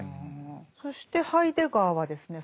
そしてハイデガーはですね